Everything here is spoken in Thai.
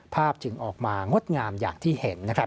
ภาพจึงออกมางดงามอย่างที่เห็น